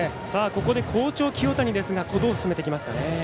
ここで好調、清谷ですがどう進めてきますかね。